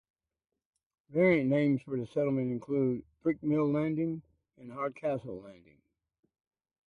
Variant names for the settlement include "Brick Mill Landing" and "Hardcastle Landing".